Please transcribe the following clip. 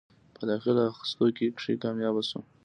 پۀ داخله اخستو کښې کامياب شو ۔